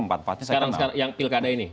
empat empatnya saya kenal